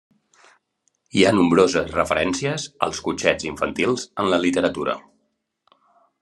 Hi ha nombroses referències als cotxets infantils en la literatura.